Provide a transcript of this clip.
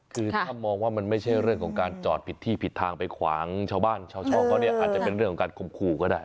คือถ้ามองว่ามันไม่ใช่เรื่องของการจอดผิดที่ผิดทางไปขวางชาวบ้านชาวช่องเขาเนี่ยอาจจะเป็นเรื่องของการคมคู่ก็ได้